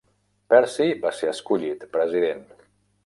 Percy va ser escollit president.